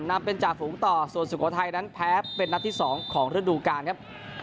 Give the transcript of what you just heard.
นำเป็นจ่าฝูงต่อส่วนสุโขทัยนั้นแพ้เป็นนัดที่๒ของฤดูกาลครับ